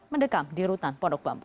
mendekam di rutan pondok bambu